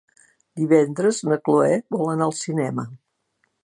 Divendres na Cloè vol anar al cinema.